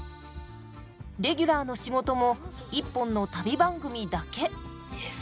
レギュラーの仕事も一本の旅番組だけ。